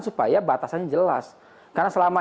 supaya batasan jelas karena selama